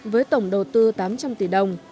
với tổng đầu tư tám trăm linh tỷ đồng